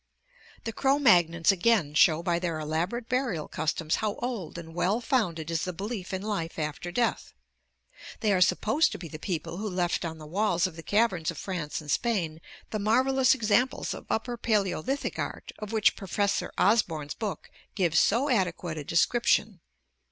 The Crfl Magnons again show by their elaborate burial customs how old and well founded is the belief in life after death. They are supposed to be the people who left on the walls of the cav erns of France and Spain the marvelous examples of upper Paleolithic art of which Professor Osborn's book gives so adequate a description.